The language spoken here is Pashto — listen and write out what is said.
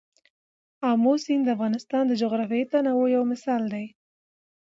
آمو سیند د افغانستان د جغرافیوي تنوع یو مثال دی.